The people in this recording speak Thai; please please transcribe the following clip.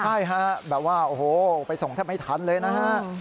ใช่ฮะแบบว่าโอ้โหไปส่งแทบไม่ทันเลยนะฮะ